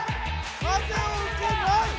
風をうけない！